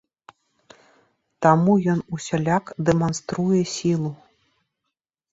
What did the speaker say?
Таму ён усяляк дэманструе сілу.